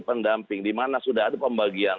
pendamping dimana sudah ada pembagian